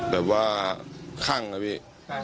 แบบว่าคลั่งนะพี่